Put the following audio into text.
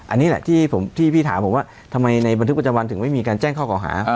อันนี้แหละที่พี่ถามผมว่าทำไมในบันทึกประจำวันถึงไม่มีการแจ้งข้อเก่าหา